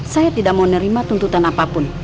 saya tidak mau nerima tuntutan apapun